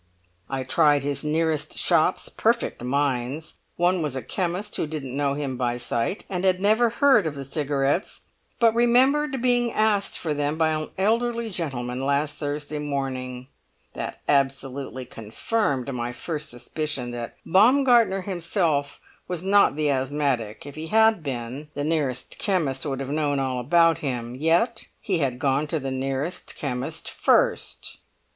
I tried his nearest shops; perfect mines! One was a chemist, who didn't know him by sight, and had never heard of the cigarettes, but remembered being asked for them by an elderly gentleman last Thursday morning! That absolutely confirmed my first suspicion that Baumgartner himself was not the asthmatic; if he had been, the nearest chemist would have known all about him. Yet he had gone to the nearest chemist first!"